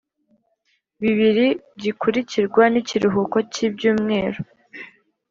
Bibiri gikurikirwa n ikiruhuko cy ibyumweru